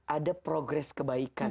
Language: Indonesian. ada progres kebaikan